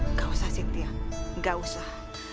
nggak usah cynthia nggak usah